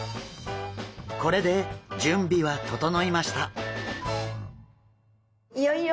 これで準備は整いました！